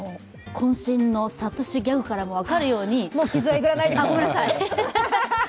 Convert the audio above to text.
こん身のサトシギャグからも分かるようにもう傷をえぐらないでください。